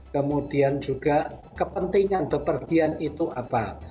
kemudian juga kepentingan bepergian itu apa